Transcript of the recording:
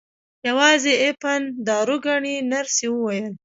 یوازې اپین دارو ګڼي نرس وویل.